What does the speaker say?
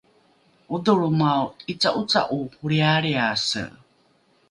odholromao ’ica’oca’o holrialriase